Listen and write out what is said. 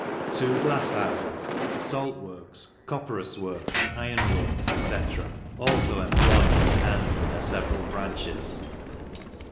Two glafs houfes, e fait works, copperas works, iron works, fcfV. fo employ many hands in their feveral branches.